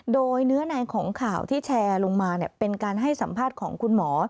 โดยเนื้อในของข่าวที่แชร์ลงมาเป็นการให้สัมภาษณ์ของคุณหมอ